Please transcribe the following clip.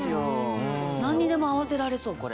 何にでも合わせられそうこれ。